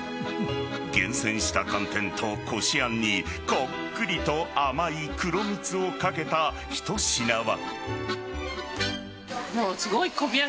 厳選した寒天とこしあんにこっくりと甘い黒蜜をかけた一品は。